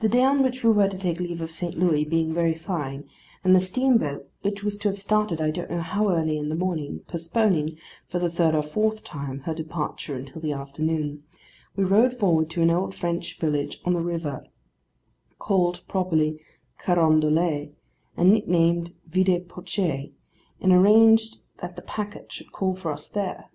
The day on which we were to take leave of St. Louis being very fine; and the steamboat, which was to have started I don't know how early in the morning, postponing, for the third or fourth time, her departure until the afternoon; we rode forward to an old French village on the river, called properly Carondelet, and nicknamed Vide Poche, and arranged that the packet should call for us there.